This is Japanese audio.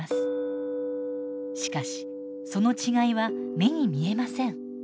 しかしその違いは目に見えません。